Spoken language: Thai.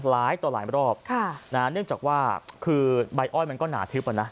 หลายต่อหลายรอบเนื่องจากว่าคือใบอ้อยมันก็หนาทึบอ่ะนะ